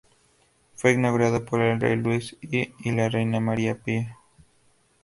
Fue inaugurado por el rey Luis I y la reina María Pía.